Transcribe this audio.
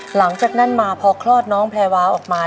หลังจากนั้นมาพอคลอดน้องแพรวาออกมา